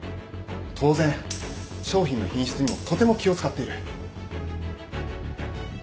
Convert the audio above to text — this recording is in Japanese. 当然商品の品質にもとても気を使っている。